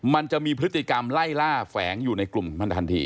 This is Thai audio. มันจะมีพฤติกรรมไล่ล่าแฝงอยู่ในกลุ่มมันทันที